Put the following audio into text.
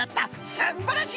すんばらしい！